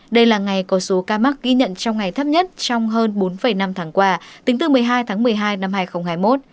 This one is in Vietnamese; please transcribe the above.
đây là ngày có số ca mắc ghi nhận trong ngày thấp nhất trong hơn bốn năm tháng qua tính từ một mươi hai tháng một mươi hai năm hai nghìn hai mươi một